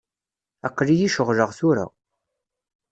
Aql-iyi ceɣleɣ tura.